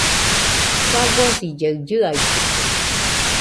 Fagosillaɨ chiaitɨkue.